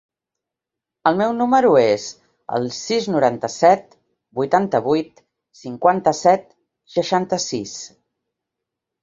El meu número es el sis, noranta-set, vuitanta-vuit, cinquanta-set, seixanta-sis.